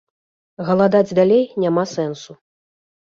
Галадаць далей няма сэнсу.